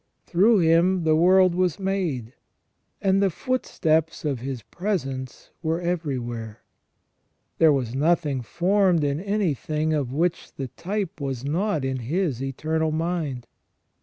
Through Him the world was made, and the foosteps of His presence were everywhere. There was nothing formed in any thing of which the type was not in His Eternal Mind.